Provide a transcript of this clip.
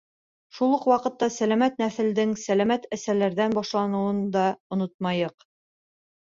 Шул уҡ ваҡытта сәләмәт нәҫелдең сәләмәт әсәләрҙән башланыуын да онотмайыҡ.